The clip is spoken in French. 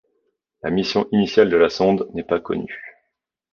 La mission initiale de la sonde n'est pas connue.